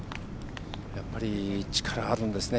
やっぱり力あるんですね。